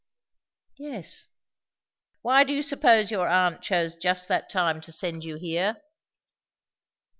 "Yes." "Why do you suppose your aunt chose just that time to send you here?"